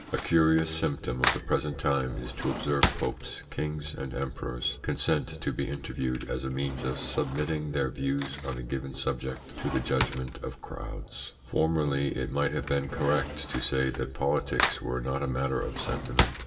A curious symptom of the present time is to observe popes, kings, and emperors consent to be interviewed as a means of submitting their views on a given subject to the judgment of crowds. Formerly it might have been correct to say that politics were not a matter of sentiment.